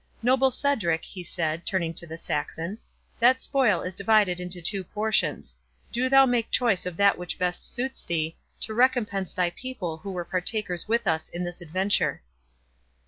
—Noble Cedric," he said, turning to the Saxon, "that spoil is divided into two portions; do thou make choice of that which best suits thee, to recompense thy people who were partakers with us in this adventure."